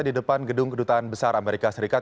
di depan gedung kedutaan besar amerika serikat